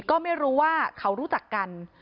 ก็ไม่รู้ว่าเขารู้จักกัน